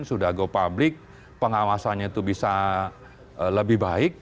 sudah go public pengawasannya itu bisa lebih baik